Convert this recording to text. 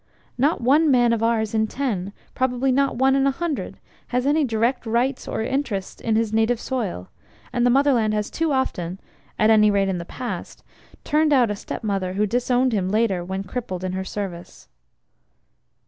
Not one man of ours in ten, probably not one in a hundred, has any direct rights or interest in his native soil; and the Motherland has too often (at any rate in the past) turned out a stepmother who disowned him later when crippled in her service.